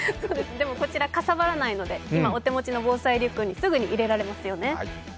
でも、こちらかさばらないので今お手持ちの防災リュッグにすぐに入れられますよね。